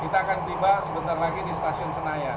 kita akan tiba sebentar lagi di stasiun senayan